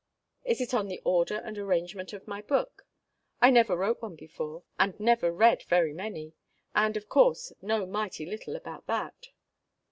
Is it on the order and arrangement of my book? I never wrote one before, and never read very many; and, of course, know mighty little about that.